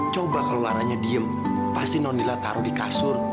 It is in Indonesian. coba kalau laranya diem pasti nondila taruh di kasur